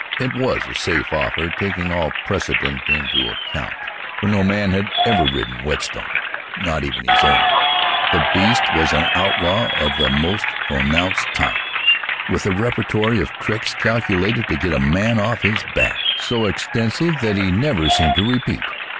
It was a safe offer, taking all precedent into account, for no man ever had ridden Whetstone, not even his owner. The beast was an outlaw of the most pronounced type, with a repertory of tricks, calculated to get a man off his back, so extensive that he never seemed to repeat.